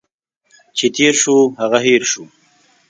چي تیر شو، هغه هٻر شو.